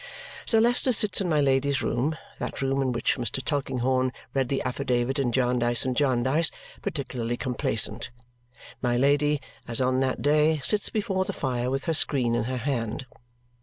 Sir Leicester sits in my Lady's room that room in which Mr. Tulkinghorn read the affidavit in Jarndyce and Jarndyce particularly complacent. My Lady, as on that day, sits before the fire with her screen in her hand.